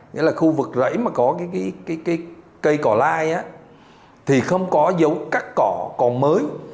nghĩa là khu vực rẫy mà có cây cỏ lai thì không có dấu cắt cỏ còn mới